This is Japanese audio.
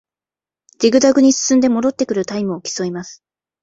ジグザグに進んで戻ってくるタイムを競います